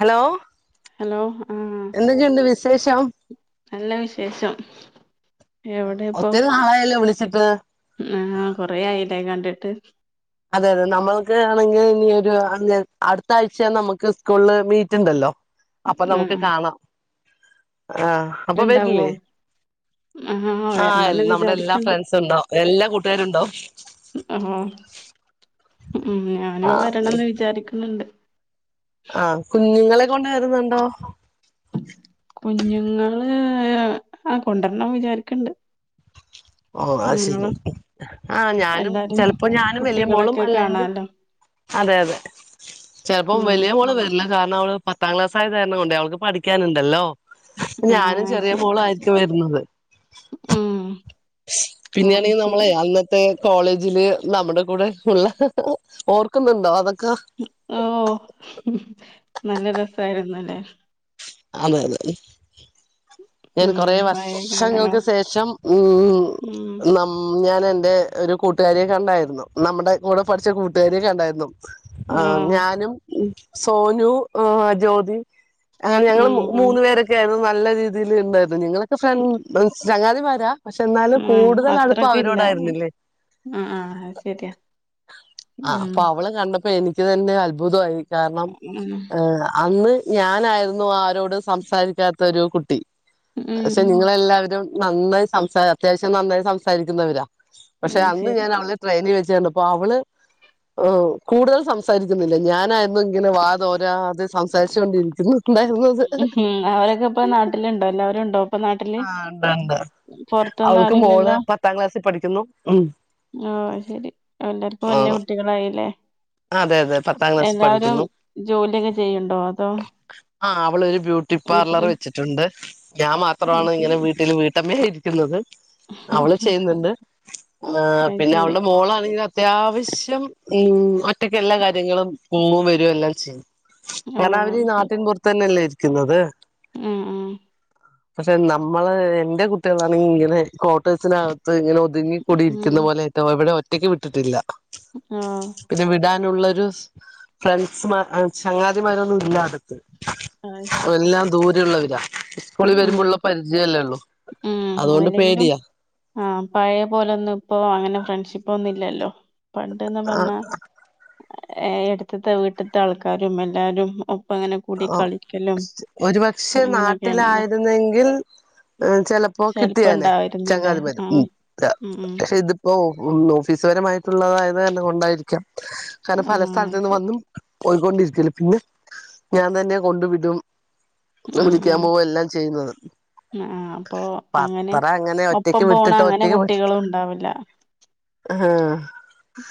Hello hello ആഹ എന്തൊക്കെണ്ട് വിശേഷം നല്ല വിശേഷം എവിടെപ്പോ ആയല്ലോ വിളിച്ചിട്ട് ആഹ് കൊറേ ആയില്ലേ കണ്ടിട്ട് അതെ അതെ നമ്മൾക്ക് ആണെങ്കിൽ ഇനി ഒരു അടുത്ത ആഴ്ച നമുക്ക് സ്കൂളിൽ മീറ്റ് ണ്ടല്ലോ അപ്പം നമുക്ക് ആഹ് കാണാം ആഹ് അപ്പൊ ണ്ടാവോ വരില്ലേ? ആഹ് ആഹ്‌ എൽ വരണംന്ന് നമ്മുടെ എല്ലാ വിചാരിക്ക്ണ്ട് ഫ്രണ്ട്സുണ്ടോ? എല്ലാ കൂട്ടുകാരുണ്ടോ? ഉം ആഹ് ഉം ആ ഞാനും വരണംന്ന് വിചാരിക്കുന്നുണ്ട്. ആഹ് കുഞ്ഞുങ്ങളെ കൊണ്ട് വരുന്നുണ്ടോ? കുഞ്ഞുങ്ങളെ [unintelligible] ആഹ് കൊണ്ടർണം വിചാരിക്ക്ണ്ട്. ഓഹ് അഅ് നിങ്ങളോ ശരി ആഹ് ഞാനും എല്ലാരും ചെൽപ്പോ ഞാനും വല്യ മോളും കുട്ടികളൊക്കെ അല്ലെങ്കിൽ കാണാലോ അതെ അതെ ചെൽപം ഉം വലിയ മോള് വരില്ല കാരണം അവള് പത്താം ക്ലാസ് ആയ കാരണം കൊണ്ടെ അവൾക്ക് പഠിക്കാനുണ്ടല്ലോ. ഞാനും ആഹ് ചെറിയ മോളു ആയിരിക്കും വരുന്നത്. ഉ ഊം. പിന്നെയാണെ നമ്മളെ അന്ന് ത്തെ കോളേജില് നമ്മുടെ കൂടെ ഉള്ള ഓർക്കുന്നുണ്ടോ അതൊക്ക? ഉ ഓഹ് നല്ല രസായിരുന്നല്ലേ [unintelligible] ഞാൻ ഉം കൊറെ പഴയ കാലങ്ങൾ വർഷങ്ങൾക്ക് സേഷം ഉം ഉം ഉം നമ് ഉം ഞാൻ എൻറെ ഒരു കൂട്ടുകാരിയെ കണ്ടായിരുന്നു. നമ്മുടെ കൂടെ പഠിച്ച കൂട്ടുകാരിയെ കണ്ടായിരുന്നു. ആഹ് ഞാനും സോനു ആ ജോതിം ആഹ് ഞങ്ങള് മു മൂന്നു പേരൊക്കെ ആയിരുന്നു നല്ല രീതില് ണ്ടായിരുന്നെ നിങ്ങളൊക്കെ ഫ്രൻസ് ചങ്ങാതിമാരാ? പക്ഷെ ന്നാലും ആഹ് കൂടുതലടുപ്പ അത്രക്കില്ല വരോടായിരുന്നില്ലേ? ആഹ് ആഹ് അത് ശരിയാ ആഹ് ഉം അപ്പൊവളെ കണ്ടപ്പോ എനി ക്ക് തന്നെ അത്ഭുതോയി കാരണം ഉം എ അന്ന് ഞാനായിരുന്നു ആരോ ടും സംസാരിക്കാത്തൊരു കുട്ടി. ഉം പക്ഷെ ഉം നിങ്ങളെല്ലാവരും നന്നായി സംസാ അത്യാവശ്യം നന്നായി സംസാരിക്കുന്നവരാ. പക്ഷെ അത് അന്ന് ശരി ഞാനവളെ ട്രെയിനിൽ വെച്ചുകണ്ടപ്പോ അവള് എ കൂടുതൽ സംസാരിക്കുന്നില്ല ഞാനാര് ഓളിങ്ങനെ വാ തോരാതെ സംസാരിച്ചു കൊണ്ടിരിക്കുന്നു. ഉംഹു അവരൊക്കെ പ്പ നാട്ടിലുണ്ടോ? എല്ലാവരുണ്ടോ? ആഹ് ണ്ട് ണ്ട് പൊറത്തൊന്നും അവൾക്ക് മോള് ആരുല്ലല്ലോ പത്താം ക്ലാസ്സി പഠിക്കുന്നു. ഉം. ആഹ് അയ് ശരി എല്ലർക്കും വല്യ ആഹ് കുട്ടികളായില്ലേ. അതെ അതെ പത്താം ക്ലാസ്സിൽ എല്ലാരും പഠിക്കുന്നു ജോലിയൊക്കെ ചെയ്യുണ്ടോ? അതോ? ആഹ് അവള് ഒരു ബ്യൂട്ടി വീട്ടില് പാർലറ് വെച്ചിട്ടുണ്ട് ഞാം അത് മാത്രാണ് ഇങ്ങനെ ശരി വീ ട്ടില് വീട്ടമ്മായി ഇരിക്കുന്നത് ഉം അവള് ഉം ചെയ്യുന്നുണ്ട്. ആ അത് പിന്നെ ശരി അവളുടെ മോളാണെങ്കില ത്യാവശ്യം ഉ ഒറ്റക്കെല്ലാ കാര്യങ്ങളും പോവേം വരുകയും എല്ലാം ചെയ്യും. ഓഹ് ങ്ങനാവരീ അത് ശരി നാട്ടിൻ പുറത്തന്നല്ലേ ഇരിക്കുന്നത്. ഉം ഊം. പക്ഷെ നമ്മള് എന്റെ കു ട്ട്യളാണിങ്ങനെ കോട്ടേഴ്സിനകത്ത് ഇങ്ങനെ ഒതുങ്ങി കൂടി ഉം ഇരിക്കുന്ന പോലെ [unintelligible] ഒറ്റയ്ക്ക് വിട്ടിട്ടില്ല. ആഹ് പിന്നെ വിടാനുള്ളൊരു സ് ഫ്രണ്ട്സ്മാ അ ചങ്ങാതിമാരൊന്നും ഇല്ലാത് ത് അത് ശരി എല്ലാം ദൂരെള്ളവരാ സ്കൂളി ഉം ഉം വരുമ്പോള്ള പരിചയല്ലേള്ളൂ ഉം അതുകൊണ്ട് അല്ലെങ്കിലും പേടിയാ ആഹ് പഴയ പോലൊന്നു പ്പൊ അങ്ങനെ ഫ്രണ്ട്ഷിപ്പൊന്നു ഇല്ലല്ലോ പണ്ട്ന്ന് ആ പർഞ്ഞാ എടുത്തത്തെ വീട്ടത്തെ ആൾക്കാരും എല്ലാരും ഒപ്പ ഇങ്ങനെ ആ ഒരു പക്ഷേ അങ്ങനെയൊക്കെയാണല്ലോ നാട്ടിലായിരുന്നെങ്കിൽ ചെലപ്പോ കിട്ടിയനെ ഉണ്ടായിരുന്നല്ലേ ചങ്ങാതി വരും ആഹ് ഉം ഉം ഇതിപ്പോ ഓഫീസ് പരമായിട്ടുള്ളതായത് കാരണംകൊണ്ടായിരിക്കാം പല സ്ഥലത്ത് ആഹ് നിന്ന് ശരി വന്നും പോയിക്കൊണ്ടിരിക്കല്ല പിന്നെ ഞാൻ തന്നെ കൊണ്ടു വിടും വിളിക്കാൻ പോകും എല്ലാം ചെയ്യുന്നത് ആ ആ അപ്പൊ അങ്ങനെ പത്രം അങ്ങനെ ഒപ്പം ഒറ്റക്ക് പോണ വിട്ടിട്ട് അങ്ങനെ ഒറ്റക്ക് കുട്ടികളും ഉണ്ടാവില്ല ആഹ്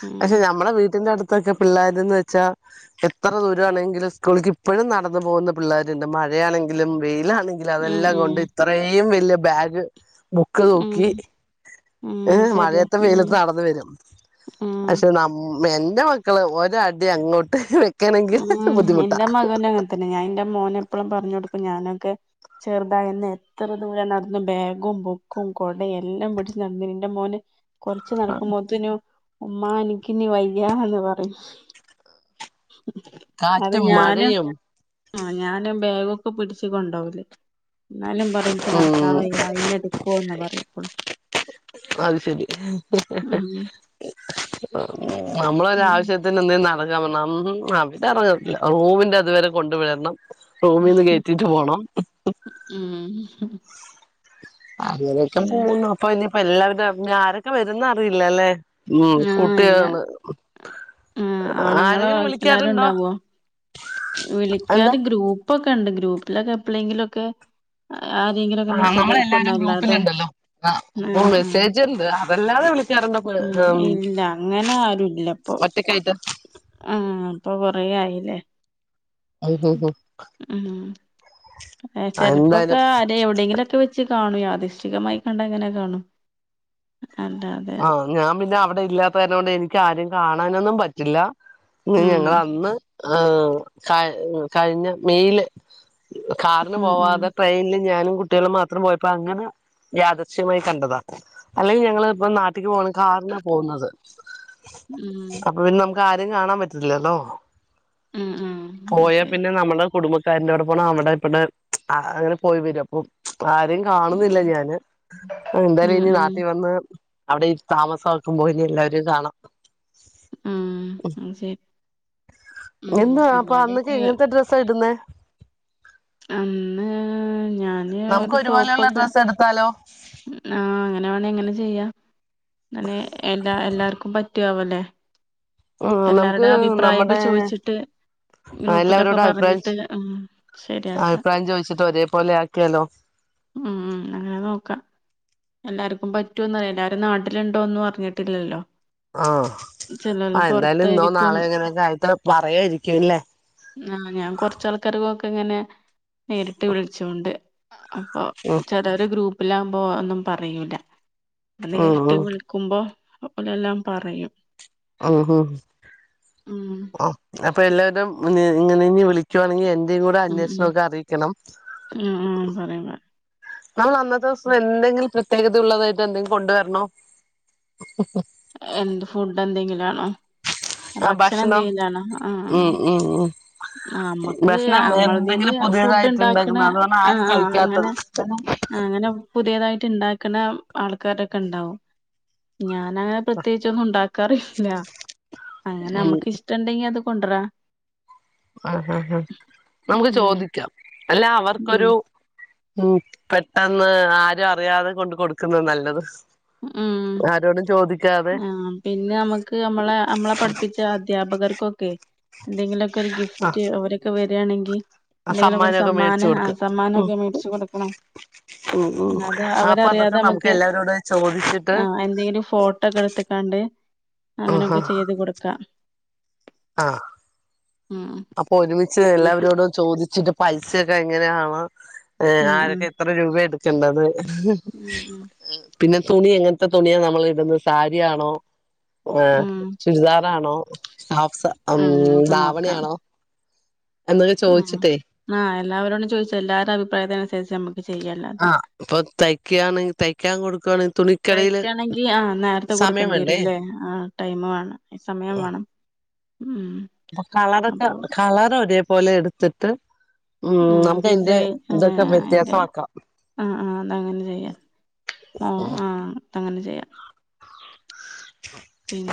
ഉം പക്ഷേ ഞമ്മടെ വീട്ടിന്റെ അടുത്തൊക്കെ പിള്ളേര്ന്ന് വെച്ചാ എത്ര ദൂരമാണെങ്കിലും സ്കൂളിലേക്ക് ഇപ്പഴും നടന്നു പോകുന്ന പിള്ളേരുണ്ട് മഴയാണെങ്കിലും വെയിലാണെങ്കിലും ഉം അതെല്ലാം ഉം കൊണ്ട് ഇത്രയും വല്യ ബാഗ് ഒക്ക ഉം തൂക്കി ഉം ഏഹ് ശരിയാ മഴയത്ത് ഉം വെയിലത്ത് നടന്ന് വരും ഉം പക്ഷെ നമ്മ എന്റെ മക്കള് ഒര് അടി അങ്ങോട്ട് വെക്കാനെങ്കിൽ ബുദ്ധിമുട്ടാ അതന്നെ ഞാൻ ഇന്റെ മോനെ എപ്പഴും പറഞ്ഞു കൊടുക്കും ഞാനൊക്കെ ചെറുതായി ഇന്ന് എത്ര ദൂരം നടന്നു ബാഗും ബുക്കും കുടയും എല്ലാം പിടിച്ച് നടന്ന എന്റെ മോന്, കൊറച്ച് നടക്കുമ്പോത്തേനു ഉമ്മാ എനക്ക് ഇനീ വയ്യ എന്ന് പറയും അത് കാറ്റും ഞാന് മഴയും ആ ഞാനും ബാഗൊക്കെ പിടിച്ച കൊണ്ട് പോവല് എന്നാലും പറ എനിക്ക് ഉം നടക്കാവയ്യ എന്നെ എടുക്കുവോന്നാ പറയാ എപ്പോഴും അത് ശരി ഉം നമ്മളൊരാവശ്യ [unintelligible] റൂമിന്റെ അതുവരെ കൊണ്ട് വിടണം റൂമിൽ നിന്ന് കയറ്റീട്ട് പോണം ഉം അങ്ങനെ പോകുന്നു അപ്പൊ ഇനിയിപ്പോ എല്ലാവരും ആരൊക്കെ വരും എന്ന് അറിയില്ലല്ലേ ഉം കുട്ടിയാള് ആ ആണുങ്ങള് എല്ലാരും ഇണ്ടാവോ വിളിക്കാൻ എന്താ ഗ്രൂപ്പ് പ്പൊക്കെ ഉണ്ട് ഗ്രൂപ്പിലെക്ക എഴെങ്കിലൊക്കെ ആരെങ്കിലെക്കെ ആഹ് നമ്മളെല്ലാരും ഗ്രൂപ്പിലുണ്ടല്ലോ ആ ആഹ് ആഹ് മെസ്സേജ് ഉണ്ട് അതല്ലാതെ വിള വിളിക്കാറുണ്ട് അപ്പള് ഉം ആഹ് ഇല്ല അങ്ങനെ ആരുല്ലപ്പൊ ഒറ്റക്കായിട്ട് ആഹ് അപ്പൊ കൊറെ ആയില്ലേ ഉം ഉം ഉം ഉംചെിലപ്പോക്കെ എന്തായാലും ആരെ എവിടെയെങ്കിലും വെച്ച് കാണും യാദൃശ്ചികമായി കണ്ട അങ്ങനെ കാണും എന്താ ആഹ് ഞാൻ പിന്നെ അവടെ ഇല്ലാത്ത കാരണം കൊണ്ട് എനിക്ക് ആരും കാണാനൊന്നും പറ്റില്ല ഉം ഞങ്ങളന്ന് ഉം കഴ്‌ കഴിഞ്ഞ മെയില് കാറിന് ഉം ഉം പോവാതെ ട്രെയിൻ ഞാനും കു ട്ടികളും മാത്രം പോയപ്പോ അങ്ങനെ യാദൃശ്ചികമായി കണ്ടതാ അല്ലെങ്കിൽ ഞങ്ങള് അപ്പെ നാട്ടിക്ക് പോണത് കാറിനാ പോവുന്നത് ഉം അപ്പൊ പിന്നെ ആരേം കാണാൻ പറ്റില്ലല്ലോ ഉം ഉം അത് പോയാ ശരി പിന്നെ നമ്മുടെ കുടുംബ ക്കന്റെ അവടെ പോണം അവടെ ഇവടെ അങ്ങനെ പോയി വരും അപ്പൊ ആരേം ഉം കാണുന്നില്ല ഞാന് എന്തായാലും ഉം ഇനി ഉം നാട്ടി വന്ന് അവിടെ താമസാക്കുമ്പോ ഇനി എല്ലാരേം കാണാം ഉം അത് ശരി ഉം എന്തുവാ അപ്പൊ എന്തായാലും അന്നൊക്കെ ഇനി എങ്ങനത്തെ ഡ്രസാ ഇടുന്നേ അന്ന് ഞാന് നമുക്ക് ഒരു ഒരുപോലെയുള്ള ടോപ്പൊക്കെ ഡ്രസ്സ് എടുത്താലോ ആഹ് അങ്ങനെ വേണ അങ്ങനെ ചെയ്യ അങ്ങനെ എല്ലാ എല്ലാർക്കും പറ്റുവോല്ലേ ഉം എല്ലാവരുടെ നമുക്ക് അഭിപ്രായൊക്കെ നമ്മുടെ ചോദിച്ചിട്ട് ഗ്രൂപ്പിലൊക്കെ എല്ലാവരോടും പറഞ്ഞിട്ട് അഭിപ്രായം ശരിയാക്കാം അഭിപ്രായം ചോദിച്ചിട്ട് ഒരേപോലെ ആക്കിയാലോ ഉം അങ്ങനെ നോക്കാം എല്ലാർക്കും പറ്റൊന്നറിയണ്ടെ എല്ലാരും നാട്ടിലുണ്ടോന്നും അറഞ്ഞിട്ടില്ലല്ലോ ആഹ് ആ എന്തായാലും ഇന്നോ പൊറത്തായിരിക്കും നാളെ എങ്ങനെയൊക്കെ ആയിട്ട് പറയുമായിരക്കല്ലേ ആഹ് ഞാൻ കൊറച്ചാൾക്കാര്കൊക്കെ ഇങ്ങനെ നേരിട്ട് വിളിച്ചോണ്ട് അപ്പൊ ഉം ചെലോര് ഗ്രൂപ്പിലാകുമ്പോ ഒന്നും പറയൂല ഉം ഉം അല്ലെങ്കി ക്കുമ്പൊ അപ്പലെല്ലാം പറയും ഉം ഉം ഉം അപ്പൊ എല്ലാരും ഇങ്ങനെ ഇഞ് വിളി ക്കുവാണെ എന്റെയും കൂടെ ഉം ഉം അന്വേഷണൊക്കെ അറിയിക്കണം ഉം ഉം പറയും പറയും നമ്മള് അന്നത്തെ ദിവസം എന്തെങ്കിലും പ്രത്യേകത ഉള്ളതായിട്ട് എന്തെങ്കിലും കൊണ്ടുവരണോ എന്ത് ഫുഡ് എന്തെങ്കിലാണോ ഭക്ഷണം എന്തെങ്കിലും ആണോ ആ ആഹ് ഉം ഉം ഉം ആഹ് നമ്മക്ക് ഭക്ഷണം നമ്മളതീല് എന്തെങ്കിലും ഫുഡ് പുതിയതായിട്ട് ഉണ്ടാക്കണ ഉണ്ടാക്കുന്ന അത് പറഞ്ഞാ ആ ആരും കഴിക്കാത്തത് അങ്ങനെ അങ്ങനെ പുതിയതായിട്ട് ഇണ്ടാക്കണ ആൾക്കാാരൊക്കെ ഇണ്ടാവും ഞാന് പ്രത്യേകിച്ചൊന്നും ഉണ്ടാക്കാറില്ല അങ്ങനെ ഉം നമ്മുക്ക് ഇഷ്ടണ്ടെങ്കി അത് കൊണ്ടരാ ആഹ് ആഹ് ഹാഹ് നമുക്ക് ഉം ചോദിക്കാം അല്ല ഉം അവർക്കൊരു ഉം പെട്ടെന്ന് ആരും അറിയാതെ കൊണ്ട് കൊടുക്കുന്ന നല്ലത് ഉം ആരോടും ചോദിക്കാതെ ആഹ് പിന്നെ നമ്മക്ക് നമ്മളെ നമ്മളെ പഠിപ്പിച്ച അദ്ധ്യാപകർക്കൊക്കെ എന്തെങ്കിലൊക്കെ ഒരു ഗിഫ്റ്റ് ഓലക്കെ വരാണെങ്കി എന്തെങ്കിലൊക്കെ ഒരു സമ്മാനമൊക്കെ മേടിച്ചു സമ്മാനം ആ കൊടുക്ക സമ്മാനൊക്കെ മേടിച്ചു കൊടുക്കണം ഉം ഉം ഇന്നാ അത് അപ്പൊ അവരറിയാതെ അതൊക്കെ നമുക്ക് നമ്മക്ക് [unintelligible] ആഹ് എന്തെങ്കിലും ഫോട്ടോക്കെ എടുത്ത്ക്കാണ്ട് ആഹാ അങ്ങനെയൊക്കെ ചെയ്ത് കൊടുക്കാം അ ആഹ് ഉം അപ്പൊ ഒരുമിച്ച് ഉം എല്ലാവരോടും ചോദിച്ചിട്ട് പൈസൊക്കെ എങ്ങനെയാണ് ഏഹ് ഉം ആരൊക്കെ എത്ര രൂപയാ എടുക്കണ്ടത് ഉം ഉം ഉം പിന്നെ തുണി എങ്ങനത്തെ തുണിയാ നമ്മൾ ഇട്ന്ന സാരിയാണോ ഏഹ് ഉം ചുരിദാറാണോ ഹാഫ് സാ ഉം നമുക്ക് നോക്കാം ദാവണിയണോ എന്നൊക്കെ ഉം ചോദിച്ചിട്ടേ ആഹ് എല്ലരോടും ചോദിച്ച് എല്ലാരേം അഭിപ്രായത്തിനുസരിച്ച് നമ്മക്ക് ചെയ്യല്ലേ ആഹ് ഇപ്പൊ തയ്ക്കാണെങ്കി തയ്ക്കാൻ കൊടുക്കുവാണെങ്കി തുണിക്കടേൽ ണെങ്കി ആഹ് നല്ല [unintelligible] കൊടുക്കേണ്ടിരുല്ലേ ആ ടൈമ് വേണം സമയം വേണം ഉം ആഹ്‌ കളറൊക്കെ അപ്പൊ കളർ ഒരേപോലെ എടുത്തിട്ട് ഉം ആഹ് നമുക്ക് അതിന്റെ ഡിസൈൻ ഏഹ് ഇതൊക്കെ അയിന്റെ വ്യത്യാസമാക്കാം ആഹ് ആ അതങ്ങനെ ചെയ്യാം ആഹ് ആഹ് അങ്ങനെ ചെയ്യാം ആ [inaudible] പിൻ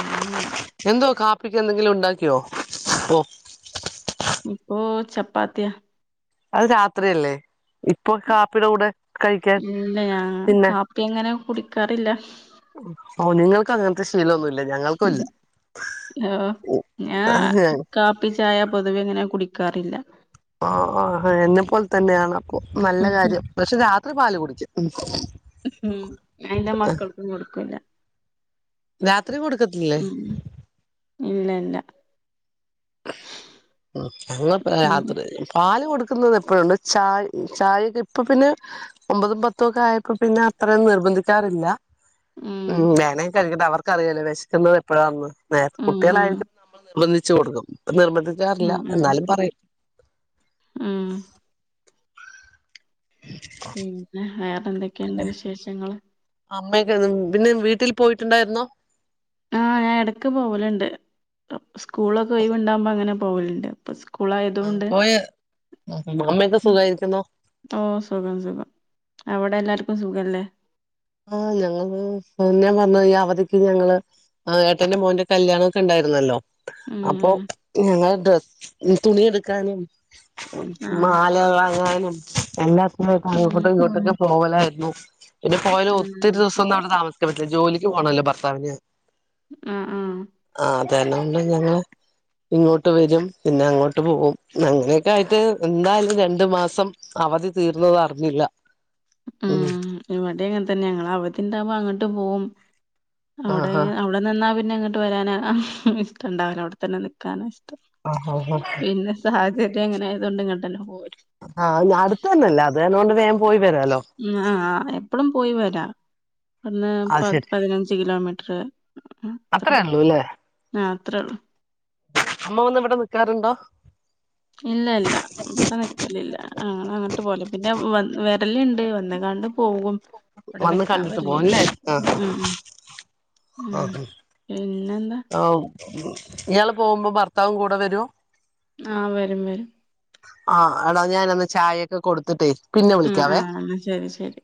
എന്തുവാ കാപ്പിക്ക് എന്തെങ്കിലും ഉണ്ടാക്കിയോ ഓഹ് ഇപ്പോ ചപ്പാത്തിയ അത് രാത്രിയല്ലേ ഇപ്പൊ കാപ്പിയുടെ കൂടെ കഴിക്കാൻ ഇല്ല ഞാ പിന്നെ കാപ്പി അങ്ങനെ കുടിക്കാറില്ല ഓ നിങ്ങൾക്ക് അങ്ങനത്തെ ശീലൊന്നുല്ലെ ഹൊ ഞാ കാപ് പ്പി ചായ പൊതുവെ അങ്ങനെ കുടിക്കാറില്ല ആഹ് എന്നെപ്പോലെ തന്നെയാണ് അപ്പൊ നല്ല കാര്യം പക്ഷെ രാത്രി പാല് കുടിക്കും ഉം ഞാന്റെ മക്കൾക്കും കൊടുക്കൂല്ല രാത്രി കൊടുക്കത്തില്ലേ ഉം ഇല്ല ഇല്ല ഉം അത് കൊഴപ്പില്ല ഉം രാത്രി പാല് കൊടുക്കുന്നത് എപ്പഴുണ്ട് ചായ ചായക്കെ ഇപ്പൊ പിന്നെ ഒമ്പതും പത്തും ഒക്കെ ആയപ്പോ പിന്നെ അത്രയും നിർബന്ധിക്കാറില്ല ഉം വേണേ കഴിക്കട്ട് അവർക്കറിയല്ലോ വിശക്കുന്നത് എപ്പോഴാന്ന് നേരത്തെ ഉം ഉം കുട്ടികളായിരിക്കും നമ്മള് നിർബന്ധിച്ച് കൊടുക്കും ഇപ്പ നിർബന്ധിക്കാറില്ല ഉം ഉം എന്നാലും പറയും ഉം പിന്നെ വേറെ എന്തൊക്കെയുണ്ട് വിശേഷങ്ങള് അമ്മയൊക്കെ പിന്നെ വീട്ടിൽ പോയിട്ടുണ്ടായിരുന്നോ ആഹ് ഞാൻ ഇടക്ക് പോകലുണ്ട് സ്കൂളൊക്കെ ഒഴിവ്‌ ഇണ്ടാകുമ്പോ അങ്ങനെ പോവലുണ്ട് സ്കൂളായി ആഹ് പോയ അമ്മയൊക്കെ ഉം. സുഖായിരിക്കുന്നോ ഓ സുഖം സുഖം അവിടെ എല്ലാർക്കും സുഖല്ലേ ആഹ് ഞങ്ങള് ഞാൻ പറഞ്ഞത് ഈ അവധിക്ക് ഞങ്ങള് ആഹ് ഏട്ടന്റെ മോന്റെ കല്യാണംക്കെ ഉണ്ടായിരുന്നല്ലോ ഉം അപ്പൊ ഉം ഞങ്ങള് ഡ്രസ്സ് തുണി എടുക്കാനും ആഹ് മാലവാങ്ങാനും എല്ലാത്തിനും ഉം അങ്ങോട്ടിങ്ങോട്ടൊക്കെ പോവലായിരുന്നു പിന്നെ പോയാലും ഒത്തിരി ഉം ദിവസം ഒന്നും ശരി അവിടെ താമസിക്കൻ പറ്റില്ല ജോലിക്ക് പോകണല്ലോ ഭർത്താവിന് ഉം ഉം ആഹ് അതന്നേണ്ട് ഞങ്ങള് ഇങ്ങോട്ട് വരും പിന്നെ അങ്ങോട്ട് പോകും അങ്ങനെയൊക്കെ ആയിട്ട് എന്തായാലും രണ്ടു മാസം അവധി തീർന്നത് അറിഞ്ഞില്ല ഉം ഇവിടേം അങ്ങനെ തന്നെ ഞങ്ങള് അവധിണ്ടാവുമ്പോ അങ്ങോട്ട് പോകും അവിടെ ആഹാ അവിടെ നിന്നാൽ പിന്നെ അങ്ങോട്ട് വരാന ഇഷ്ട്ട ഇണ്ടാവില്ല അവിടെത്തന്നെ നിക്കാനാ ഇഷ്ടം ആഹ് ആഹ് ആഹ് പിന്നെ സാഹചര്യം എങ്ങനെ ആയതുകൊണ്ട് ഇങ്ങോട്ട് തന്നെ പോരും ആഹ് അടുത്ത തന്നെല്ലേ അതന്നേ കൊണ്ട് വേഗം പോയി വരാല്ലോ ആഹ് ആഹ് എപ്പഴും പോയി വരാം ഇവിടുന്ന് അത് പ ശരി പതിനഞ്ച് കിലോമീറ്റർ അത്ര അത്രേള്ളൂ ഇല്ലേ ആഹ് അത്രേ ഉള്ളൂ അമ്മ വന്ന് ഇവിടെ നിക്കാറുണ്ടോ ഇല്ല ഇല്ല ഇവിടെ നിക്കലില്ല ഞങ്ങള് അങ്ങട്ട് പോവല പിന്നെ വ രലുണ്ട് വന്ന കാണ്ട് പോകും ഇവിടെ വന്ന് നിക്കാൻ കണ്ടിട്ട് വരിലില്ല പോവുംല്ലേ ആ ഉം ഉം ആ ഉം പിന്നെന്താ ആ ഇയാള് പോകുമ്പോ ഭർത്താവും കൂടെ വരുവോ ആഹ് വരും വരും ആഹ് എടാ ഞാൻ ഒന്ന് ചായൊക്കെ കൊടുത്തിട്ടേ പിന്നെ ഉം വിളിക്കാവേ ആഹ് ശെരി ശെരി